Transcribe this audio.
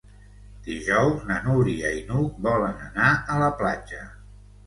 Dijous na Núria i n'Hug volen anar a la platja.